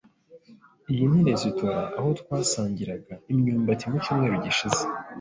Iyi ni resitora aho twasangiraga imyumbati mu icyumweru gishize.